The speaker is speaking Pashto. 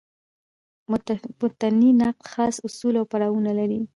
متني نقد خاص اصول او پړاوونه لري.